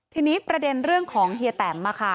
ทีนี้ประเด็นเรื่องของเฮียแตม